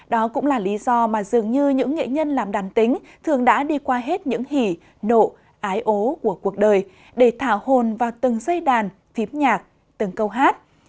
đó cũng là lý do mà dường như những nghệ nhân làm đàn tính thường đã đi qua hết những hỉ nộ ái ố của cuộc đời để thả hồn vào từng dây đàn phím nhạc từng câu hát